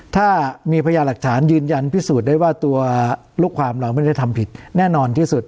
ถ้ามีพยาหลักฐานยืนยันพิสูจน์ได้ว่าตัวลูกความเราไม่ได้ทำผิดแน่นอนที่สุด